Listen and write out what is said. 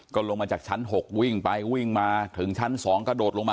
ก็ลงมาจากชั้น๖วิ่งไปวิ่งมาถึงชั้น๒กระโดดลงมา